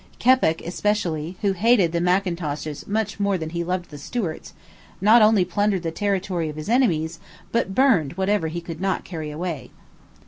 Keppoch especially, who hated the Mackintoshes much more than he loved the Stuarts, not only plundered the territory of his enemies, but burned whatever he could not carry away.